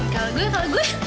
kalau gue kalau gue